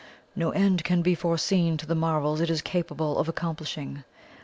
No end can be foreseen to the marvels it is capable of accomplishing.